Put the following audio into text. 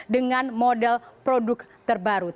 dengan model produk terbaru